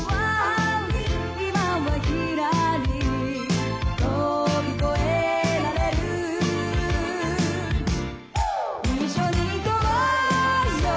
「今はひらり」「飛び越えられる」「一緒に行こうよ」